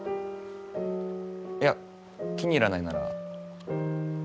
いや気に入らないなら。